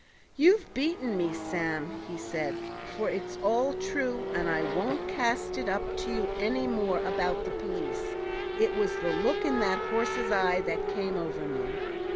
"You've beaten me, Sam," he said, "for it's all true, and I won't cast it up to you any more about the police; it was the look in that horse's eye that came over me.